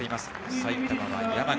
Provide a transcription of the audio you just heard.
埼玉は山賀。